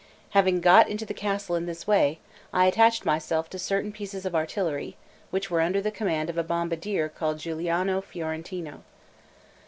Having got into the castle in this way, I attached myself to certain pieces of artillery, which were under the command of a bombardier called Giuliano Fiorentino.